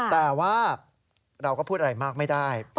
แต่ว่าเราก็พูดอะไรมากไม่ได้